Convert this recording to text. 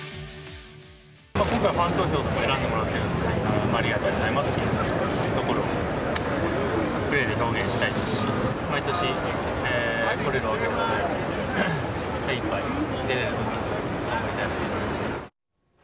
今回、ファン投票で選んでもらってるんで、ありがとうございますというところをプレーで表現したいですし、毎年、来れるわけではないので、精いっぱい、出れるときに頑張りたいなと思います。